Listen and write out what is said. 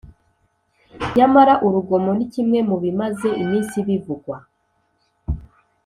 Nyamara urugomo nikimwe mubimaze iminsi bivugwa